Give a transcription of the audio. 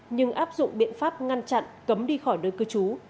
nhưng áp dụng biện pháp ngăn chặn cấm đi khỏi nơi cư trú